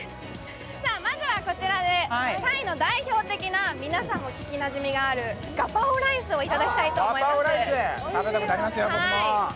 まずはこちらで、タイの代表的な、皆さんも聞きなじみのあるガパオライスをいただきたいと思います。